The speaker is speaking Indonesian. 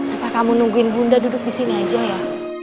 apakah kamu nungguin bunda duduk di sini aja ya